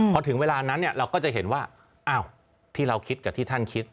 พอถึงเวลานั้นเราก็จะเห็นว่าอ้าวที่เราคิดกับที่ท่านคิด